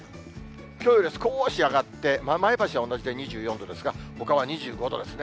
きょうよりは少し上がって、前橋は同じで２４度ですが、ほかは２５度ですね。